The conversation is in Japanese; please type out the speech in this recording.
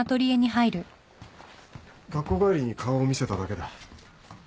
学校帰りに顔を見せただけだ。